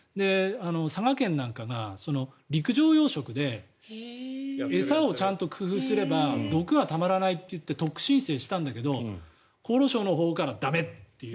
佐賀県なんかが、陸上養殖で餌をちゃんと工夫すれば毒はたまらないっていって特区申請したんだけど厚労省のほうから駄目って。